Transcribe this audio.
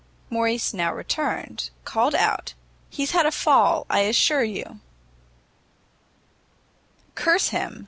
Morrice now returning, called out, "He's had a fall, I assure you!" "Curse him!"